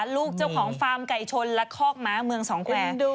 ลูกเจ้าของฟาร์มไก่ชนและคอกม้าเมืองสองแขวง